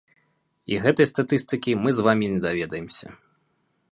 І гэтай статыстыкі мы з вамі не даведаемся.